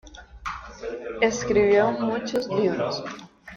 Escribió muchos libros.